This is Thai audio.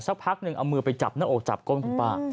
พักหนึ่งเอามือไปจับหน้าอกจับก้นคุณป้า